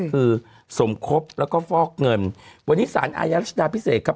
คือสมคบแล้วก็ฟอกเงินวันนี้สารอาญารัชดาพิเศษครับ